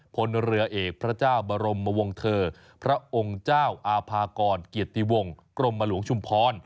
พลเรือเอกพระเจ้าบรมวงเถอร์พระองค์เจ้าอาภากรเกียรติวงกรมหลวงชุมพร